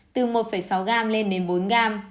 từ một sáu gram lên đến bốn gram